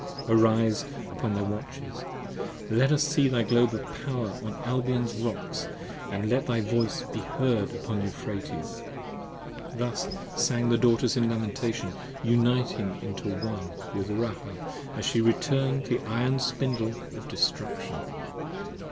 Arise upon thy Watches, let us see thy Globe of fire 25 On Albion's Rocks & let thy voice be heard upon Euphrates. Thus sang the Daughters in lamentation, uniting into One With Rahab as she turn'd the iron Spindle of destruction.